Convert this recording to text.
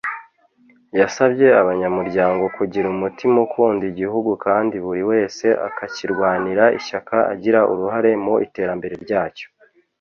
yasabye abanyamuryango kugira umutima ukunda igihugu kandi buri wese akakirwanira ishyaka agira uruhare mu iterambere ryacyo